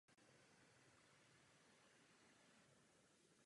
V lebce se nacházelo mnoho dutin.